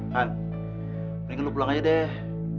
han pengen lu pulang aja deh